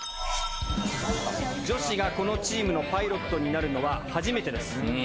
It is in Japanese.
女子がこのチームのパイロットになるのは初めてです。